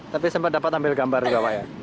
tapi sempat dapat ambil gambar juga pak ya